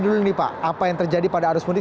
dulu nih pak apa yang terjadi pada arus mudik